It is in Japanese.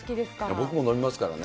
僕も飲みますからね。